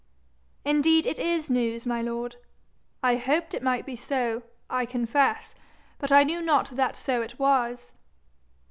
'Indeed it is news, my lord. I hoped it might be so, I confess, but I knew not that so it was.'